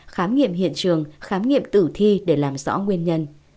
khám nghiệm hiện trường khám nghiệm tử thi để làm rõ nguyên nhân